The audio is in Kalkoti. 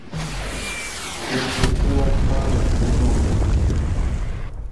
رس تہ سوا خار پیشو ۔